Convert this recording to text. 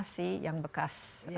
si yang bekas